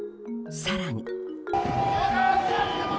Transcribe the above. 更に。